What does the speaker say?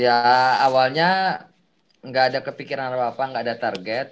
ya awalnya gak ada kepikiran apa apa gak ada target